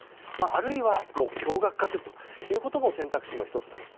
あるいは共学化するということも選択肢の１つだと。